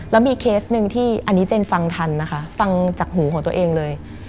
แล้วมีเคสหนึ่งที่อันนี้เจนฟังทันนะคะฟังจากหูของตัวเองเลย